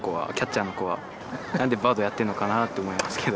なんでバドやってるのかなって思いますけど。